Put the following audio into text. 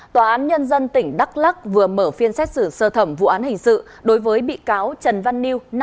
tòa án nhân dân tỉnh đắk lắc vừa mở phiên xét xử sơ thẩm vụ án hình sự đối với bị cáo trần văn liêu